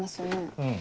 うん。